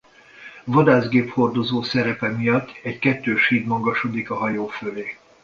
Vadászgép hordozó szerepe miatt egy kettős híd magasodik a hajó fölé.